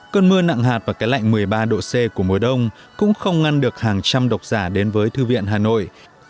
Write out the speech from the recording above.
cơn mưa nặng hạt và cái lạnh một mươi ba độ c của mùa đông cũng không ngăn được hàng trăm độc giả đến với thư viện hà nội